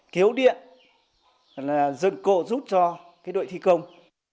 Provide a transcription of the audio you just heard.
kéo điện là dân cộ giúp cho cái đội thi công